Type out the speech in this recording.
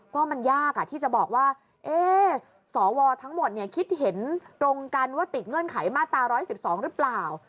ก็มันยากที่จะบอกว่าสวทั้งหมดคิดเห็นตรงกันว่าติดเงื่อนไขมาตรา๑๑๒หรือเปล่า